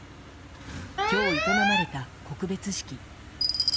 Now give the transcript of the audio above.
今日営まれた告別式。